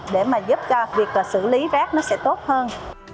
để giúp việc xử lý rác nó sẽ tốt hơn